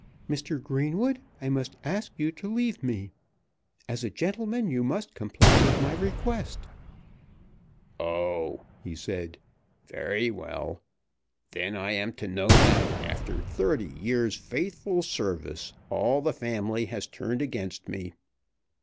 "Mr. Greenwood, I must ask you to leave me. As a gentleman you must comply with my request." "Oh," he said; "very well! Then I am to know that after thirty years' faithful service all the family has turned against me.